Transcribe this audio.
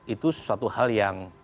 itu suatu hal yang